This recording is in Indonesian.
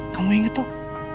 kamu inget toh